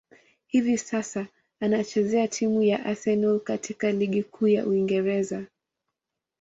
Hivi sasa, anachezea timu ya Arsenal katika ligi kuu ya Uingereza.